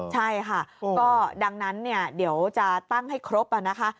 ใช่ค่ะก็ดังนั้นเดี๋ยวจะตั้งให้ครบนะคะ